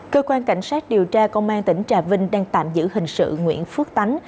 cơ quan cảnh sát điều tra công an tỉnh trà vinh đang tạm giữ hình sự nguyễn phước tán